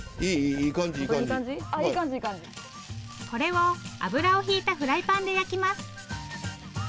これを油を引いたフライパンで焼きます。